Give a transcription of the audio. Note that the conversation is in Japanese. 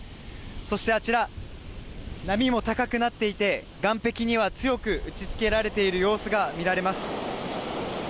そしてあちら、波も高くなっていて、岸壁には強く打ちつけられている様子が見られます。